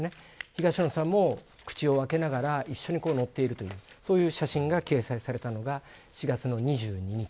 東野さんも口を開けながら一緒にのっている写真が掲載されたのが４月２２日。